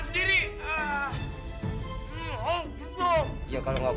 jadi gimana dong